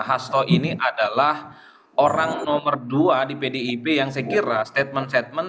hasto ini adalah orang nomor dua di pdip yang saya kira statement statement